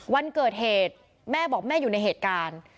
วันเกิดเหตุแม่บอกแม่อยู่ในเหตุการณ์